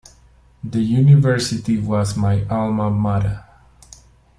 The university was my Alma Mata.